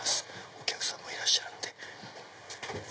お客さんもいらっしゃるんで。